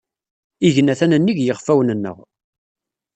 Igenni atan nnig yiɣfawen-nneɣ.